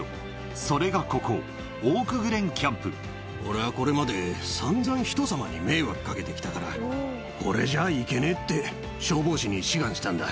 それがここ、俺はこれまで、さんざん人様に迷惑かけてきたから、これじゃいけねえって、消防士に志願したんだ。